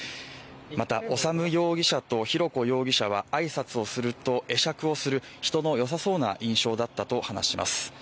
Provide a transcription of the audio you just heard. また修容疑者と浩子容疑者は挨拶をすると会釈をする人の良さそうな印象だったと話します。